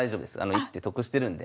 一手得してるんで。